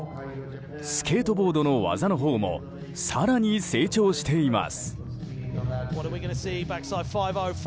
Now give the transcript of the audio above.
スケートボードの技のほうも更に成長しています。